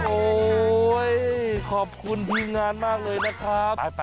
โอ้โหขอบคุณทีมงานมากเลยนะครับ